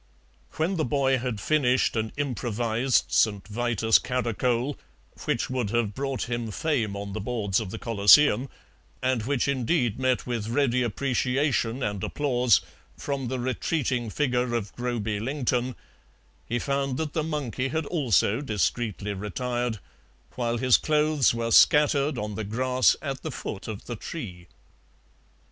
When the boy had finished an improvised St. Vitus caracole, which would have brought him fame on the boards of the Coliseum, and which indeed met with ready appreciation and applause from the retreating figure of Groby Lington, he found that the monkey had also discreetly retired, while his clothes were scattered on the grass at the foot of the tree.